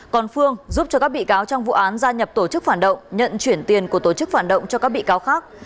còn phương giúp cho các bị cáo trong vụ án gia nhập tổ chức phản động nhận chuyển tiền của tổ chức phản động cho các bị cáo khác